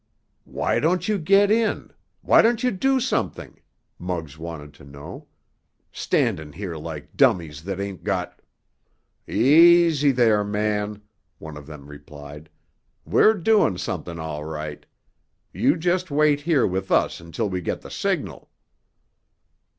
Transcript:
"Why don't you get in? Why don't you do something?" Muggs wanted to know. "Standin' here like dummies that ain't got——" "Easy there, man!" one of them replied. "We're doin' something, all right. You just wait here with us until we get the signal."